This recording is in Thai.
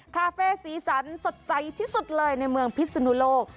คาเฟ่สีสันสดใสที่สุดเลยในเมืองพิศนุโลก